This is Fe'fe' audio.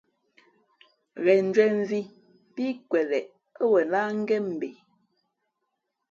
Ghen njwēn mvhī pí kweleꞌ ά wen láh ngén mbe.